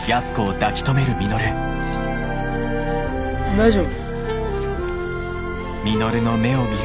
大丈夫？